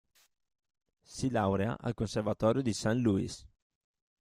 Si laurea al conservatorio di Saint Louis.